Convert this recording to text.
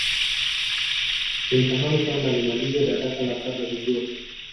nilitamani sana nimalize darasa la saba vizuri